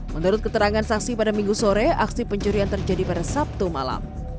menurut keterangan saksi pada minggu sore aksi pencurian terjadi pada sabtu malam